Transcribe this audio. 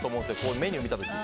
メニューを見た時に。